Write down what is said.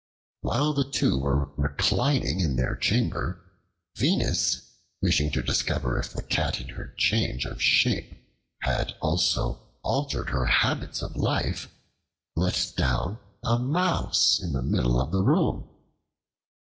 While the two were reclining in their chamber, Venus wishing to discover if the Cat in her change of shape had also altered her habits of life, let down a mouse in the middle of the room.